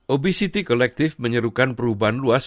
obesity collective menyerukan perubahan luas